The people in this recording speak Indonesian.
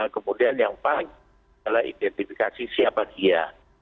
kemudian yang paling adalah identifikasi siapa dia